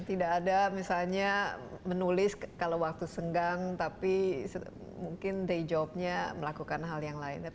tidak ada misalnya menulis kalau waktu senggang tapi mungkin day jobnya melakukan hal yang lain